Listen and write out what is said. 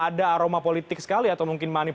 ada aroma politik sekali atau mungkin money